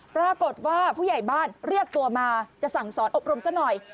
ปรากฏว่าผู้ใหญ่บ้านเรียกตัวมาจะสั่งสอนอบรมซะหน่อย